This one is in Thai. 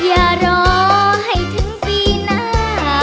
อย่ารอให้ถึงปีหน้า